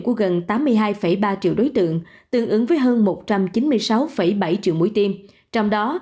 của gần tám mươi hai ba triệu đối tượng tương ứng với hơn một trăm chín mươi sáu bảy triệu mũi tiêm trong đó